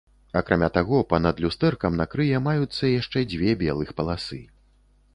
Акрамя таго, па-над люстэркам на крые маюцца яшчэ дзве белых паласы.